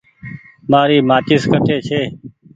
مآري مآچيس ڪٺي ڇي۔